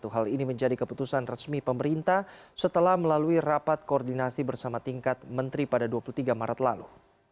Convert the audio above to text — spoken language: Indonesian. hal ini menjadi keputusan resmi pemerintah setelah melalui rapat koordinasi bersama tingkat menteri pada dua puluh tiga maret lalu